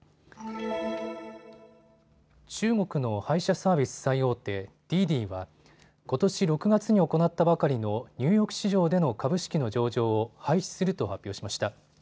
中国の配車サービス最大手、滴滴はことし６月に行ったばかりのニューヨーク市場での株式の上場を廃止すると発表しました。